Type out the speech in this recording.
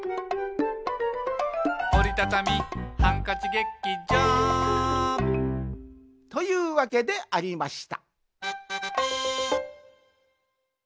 「おりたたみハンカチ劇場」というわけでありました